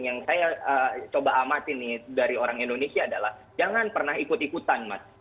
yang saya coba amati nih dari orang indonesia adalah jangan pernah ikut ikutan mas